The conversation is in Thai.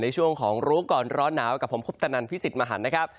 ในช่วงของรู้ก่อนร้อนหนาวกับผมคุปตนันพิสิทธิ์มหันนะครับ